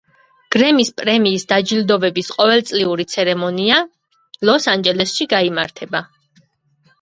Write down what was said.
გრემის პრემიის დაჯილდოვების ყოველწლიური ცერემონია ლოს-ანჯელესში გაიმართება.